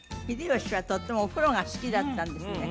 秀吉はとってもお風呂が好きだったんですね